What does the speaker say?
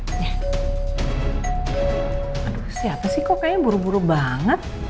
aduh siapa sih kok kayaknya buru buru banget